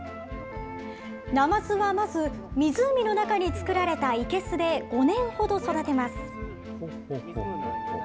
ナマズはまず、湖の中に作られた生けすで５年ほど育てます。